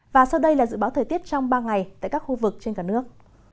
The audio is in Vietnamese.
và sau đây là dự báo thời tiết trong ba ngày tại các khu vực trên cả nước